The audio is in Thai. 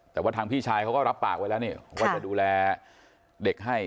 แต่ว่าทางพี่ชายเขาก็รับปากไว้แล้วนี่ว่าจะดูแลเด็กให้